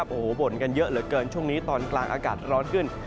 โอ้โหบ่นกันเยอะเหลือเกินช่วงนี้ตอนกลางอากาศร้อนขึ้น